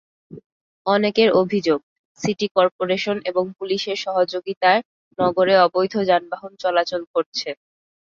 অনেকের অভিযোগ, city corporation এবং পুলিশের সহযোগিতায় নগরে অবৈধ যানবাহন চলাচল করছে।